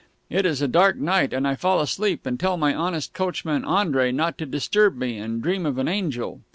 It is a dark night, and I fall asleep and tell my honest coachman, Andre, not to disturb me, and dream of an angel.